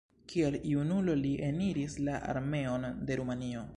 Kiel junulo li eniris la armeon de Rumanio.